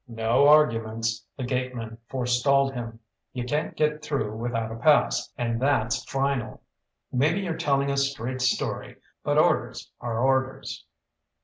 "No arguments," the gateman forestalled him. "You can't get through without a pass, and that's final. Maybe you're telling a straight story, but orders are orders."